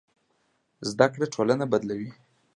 زده کړه ټولنه بدلوي.